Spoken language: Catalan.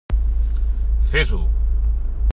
Fes-ho!